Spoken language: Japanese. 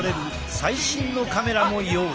最新のカメラも用意。